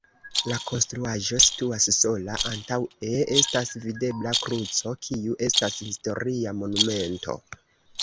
La konstruaĵo situas sola, antaŭe estas videbla kruco, kiu estas historia monumento.